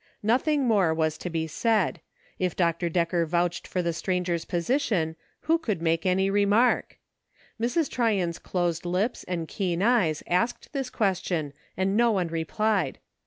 Nothing more was to be said. If Dr. Decker vouched for the stranger's position, who could make any remark ? Mrs. Tryon's closed lips and 200 DIFFERING WORLDS. keen eyes asked this question, and no one replied.